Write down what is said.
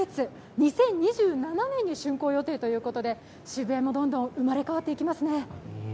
２０２７年に竣工予定ということで、渋谷もどんどん生まれ変わっていきますね。